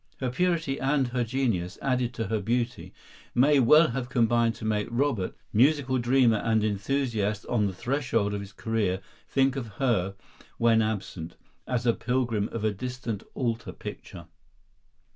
Her purity and her genius, added to her beauty, may well have combined to make Robert, musical dreamer and enthusiast on the threshold of his career, think of her, when absent, "as a pilgrim of a distant altar picture."